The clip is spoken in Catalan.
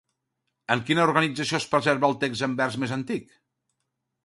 En quina organització es preserva el text en vers més antic?